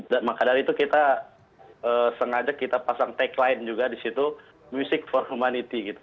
dan makadari itu kita sengaja kita pasang tagline juga disitu music for humanity gitu